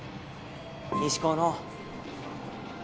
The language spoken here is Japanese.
西高の